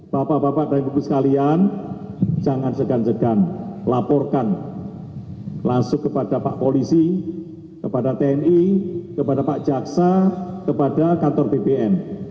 bapak bapak dan ibu sekalian jangan segan segan laporkan langsung kepada pak polisi kepada tni kepada pak jaksa kepada kantor bpn